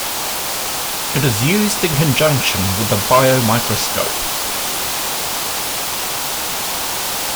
It is used in conjunction with a biomicroscope.